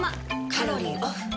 カロリーオフ。